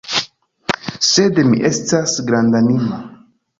Sed mi estas grandanima.